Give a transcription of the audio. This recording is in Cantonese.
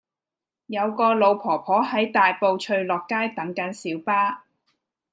有個老婆婆喺大埔翠樂街等緊小巴